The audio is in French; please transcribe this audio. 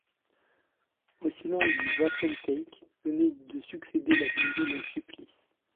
Au silence du wapentake venait de succéder la vision d’un supplice.